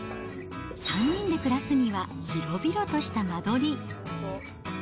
３人で暮らすには広々とした間取り。